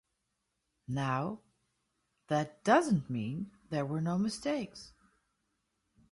Now, that doesn't mean there were no mistakes.